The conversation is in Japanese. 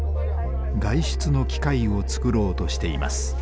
外出の機会をつくろうとしています。